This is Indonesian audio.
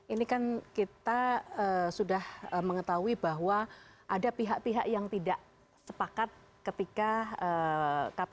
ini kan kita sudah mengetahui bahwa ada pihak pihak yang tidak sepakat ketika kpk